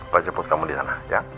pak jemput kamu di sana ya